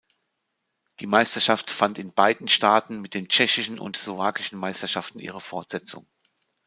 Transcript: Die Meisterschaft fand in beiden Staaten mit den tschechischen und slowakischen Meisterschaften ihre Fortsetzung.